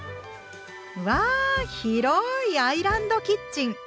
うわ広いアイランドキッチン！